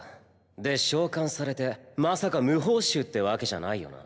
で召喚されてまさか無報酬ってわけじゃないよな？